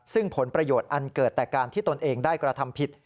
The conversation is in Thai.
ซึ่งผลประโยชน์อันเกิดแต่การที่ตนเองได้กระทำผิด